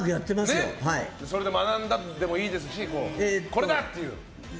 それで学んだことでもいいですしこれだ！という。